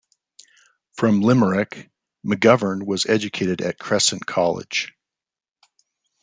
From Limerick, McGovern was educated at Crescent College.